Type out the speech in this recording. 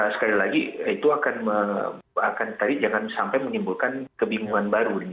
sekali lagi itu akan tadi jangan sampai menimbulkan kebingungan baru